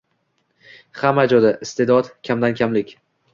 Hamma joyda, iste'dod - kamdan-kamlik.